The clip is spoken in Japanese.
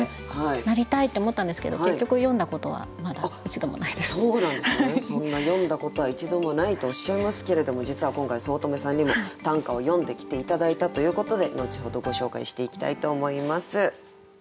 なりたいって思ったんですけどそんな詠んだことは一度もないとおっしゃいますけれども実は今回五月女さんにも短歌を詠んできて頂いたということで後ほどご紹介していきたいと思います。